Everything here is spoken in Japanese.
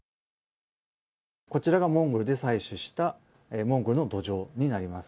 こちらがモンゴルで採取したモンゴルの土壌になります。